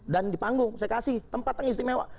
dan di panggung saya kasih tempat yang istimewa